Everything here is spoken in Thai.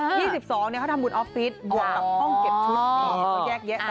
๒๒นี่เขาทำบุญออฟฟิศบวกกับห้องเก็บทุกอย่างนี้